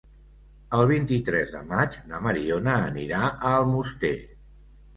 El vint-i-tres de maig na Mariona anirà a Almoster.